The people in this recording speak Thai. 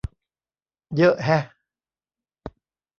เยอะแฮะ